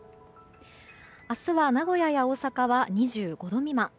明日は名古屋や大阪は２５度未満。